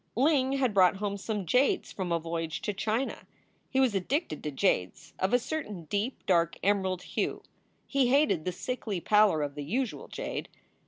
Ling had brought home some jades from a voyage to China. He was addicted to jades, of a certain deep, dark, emerald hue. He hated the sickly pallor of the usual jade.